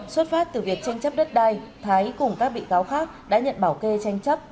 xuất phát từ việc tranh chấp đất đai thái cùng các bị cáo khác đã nhận bảo kê tranh chấp